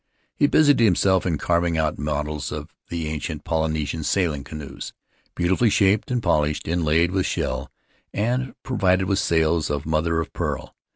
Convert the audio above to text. He busied himself in carving out models of the ancient Polynesian sailing canoes, beautifully shaped and polished, inlaid with shell, and provided with sails of mother of pearl.